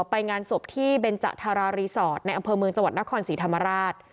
ไปงานศพที่เบนจธารารีสอร์ทในอำเภอเมืองจังหวัดนครศรีธรรมราช